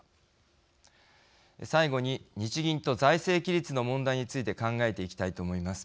最後に日銀と財政規律の問題について考えていきたいと思います。